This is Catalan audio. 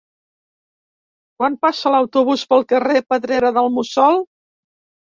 Quan passa l'autobús pel carrer Pedrera del Mussol?